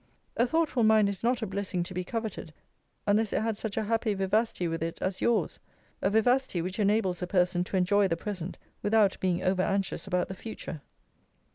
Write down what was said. A thoughtful mind is not a blessing to be coveted, unless it had such a happy vivacity with it as yours: a vivacity, which enables a person to enjoy the present, without being over anxious about the future.